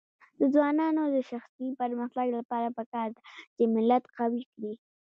د ځوانانو د شخصي پرمختګ لپاره پکار ده چې ملت قوي کړي.